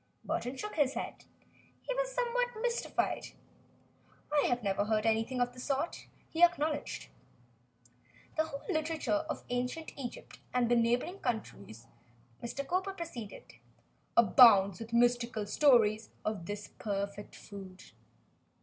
Burton shook his head. He was somewhat mystified. "I have never heard anything of the sort," he acknowledged. "The whole literature of ancient Egypt and the neighboring countries," Mr. Cowper proceeded, "abounds with mystical stories of this perfect food.